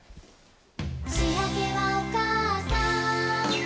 「しあげはおかあさん」